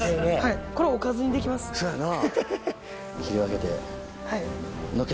そうやな。